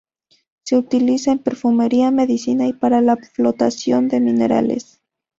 Se utiliza en perfumería, medicina y para la flotación de minerales.